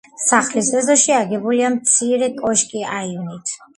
სახლის ეზოში აგებულია მცირე კოშკი აივნით.